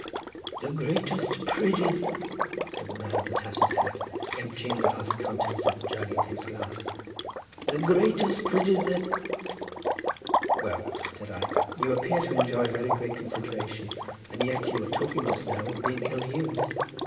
"The greatest prydydd," said the man of the tattered hat, emptying the last contents of the jug into his glass, "the greatest prydydd that—" "Well," said I, "you appear to enjoy very great consideration, and yet you were talking just now of being ill used."